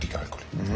うん。